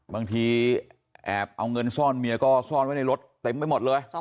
บางทีแอบเอาเงินซ่อนเมียก็ซ่อนไว้ในรถเต็มไปหมดเลย